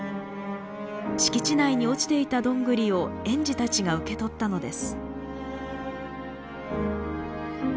敷地内に落ちていたどんぐりを園児たちが受け取ったのです。